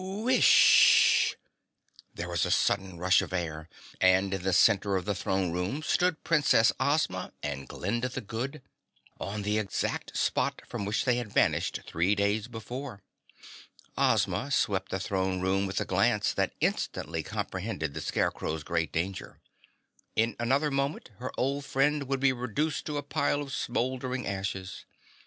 "Whish!" There was a sudden rush of air, and in the center of the throne room stood Princess Ozma and Glinda the Good on the exact spot from which they had vanished three days before. Ozma swept the throne room with a glance that instantly comprehended the Scarecrow's great danger. In another moment her old friend would be reduced to a pile of smoldering ashes.